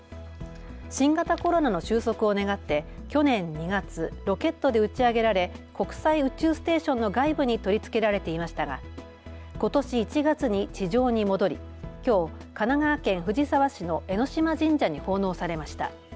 新型コロナの終息を願って去年２月、ロケットで打ち上げられ国際宇宙ステーションの外部に取り付けられていましたがことし１月に地上に戻りきょう神奈川県藤沢市の江島神社に奉納されました。